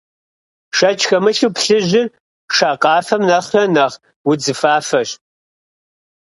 Шэч хэмылъу, плъыжьыр шакъафэм нэхърэ нэхъ удзыфафэщ.